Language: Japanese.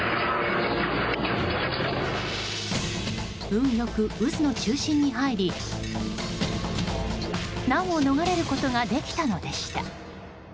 運良く渦の中心に入り難を逃れることができたのでした。